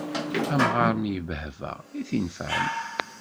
Amɣar mi ibbehba, i t-inefɛen.